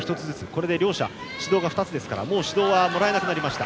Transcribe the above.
これで指導２つずつでもう指導はもらえなくなりました。